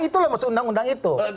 itulah maksud undang undang itu